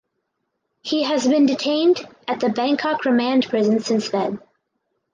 He has been detained at the Bangkok Remand Prison since then.